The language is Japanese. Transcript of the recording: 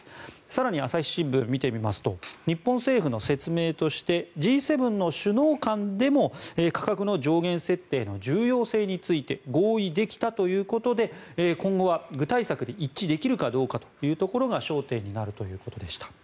更に、朝日新聞を見てみますと日本政府の説明としてＧ７の首脳間でも価格の上限設定の重要性について合意できたということで今後は具体策で一致できるかどうかというところが焦点になるということでした。